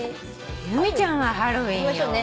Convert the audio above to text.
由美ちゃんは「ハロウィン」よ。